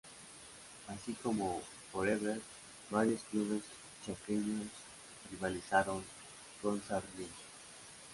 Así como For Ever, varios clubes chaqueños rivalizaron con Sarmiento.